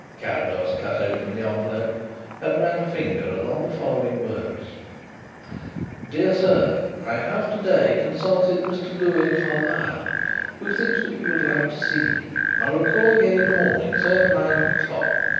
Carrados cut open the envelope and ran a finger along the following words: "Dear Sir, I have to day consulted Mr. Louis Carlyle, who thinks that you would like to see me. I will call again in the morning, say at nine o'clock.